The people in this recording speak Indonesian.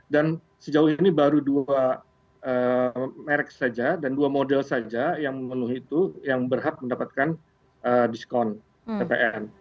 dan sejauh ini baru dua merek saja dan dua model saja yang memenuhi itu yang berhak mendapatkan diskon ppn